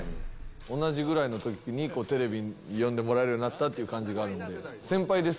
同じぐらいのときに、テレビに呼んでもらえるようになったっていう感じがあるので。